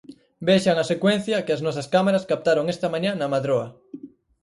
Vexan a secuencia que as nosas cámaras captaron esta mañá na Madroa.